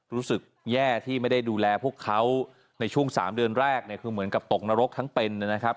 รู้สึกแย่ที่ไม่ได้ดูแลพวกเขาในช่วง๓เดือนแรกเนี่ยคือเหมือนกับตกนรกทั้งเป็นนะครับ